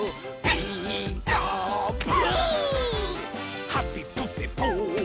「ピーカーブ！」